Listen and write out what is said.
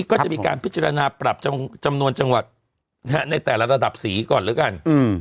ก็จะมีการพิจารณาปรับจำนวนจังหวัดในแต่ละระดับสีก่อนแล้วกัน